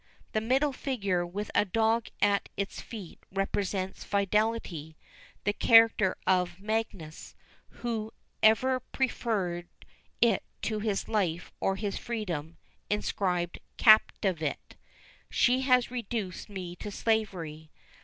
The middle figure, with a dog at its feet, represents Fidelity, the character of Magius, who ever preferred it to his life or his freedom, inscribed Captivat "She has reduced me to slavery."